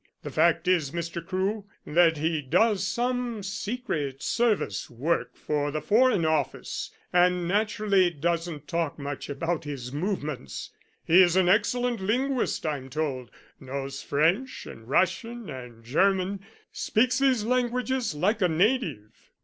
The fact is, Mr. Crewe, that he does some secret service work for the Foreign Office, and naturally doesn't talk much about his movements. He is an excellent linguist I'm told, knows French and Russian and German speaks these languages like a native."